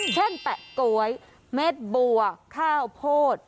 แปะก๊วยเม็ดบัวข้าวโพด